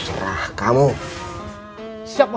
ya udah masih tuju